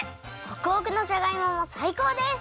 ホクホクのじゃがいももさいこうです！